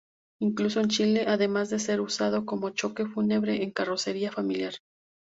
Incluso en Chile, además de ser usado como coche fúnebre en carrocería familiar.